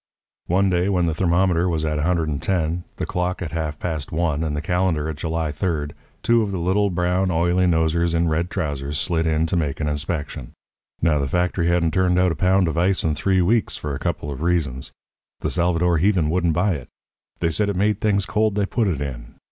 "One day when the thermometer was at 110, the clock at half past one, and the calendar at July third, two of the little, brown, oily nosers in red trousers slid in to make an inspection. Now, the factory hadn't turned out a pound of ice in three weeks, for a couple of reasons. The Salvador heathen wouldn't buy it; they said it made things cold they put it in.